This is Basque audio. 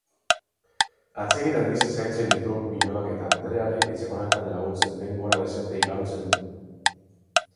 Atsegin handiz zaintzen ditu bilobak eta andreari etxekolanetan laguntzen denbora dezente igarotzen du.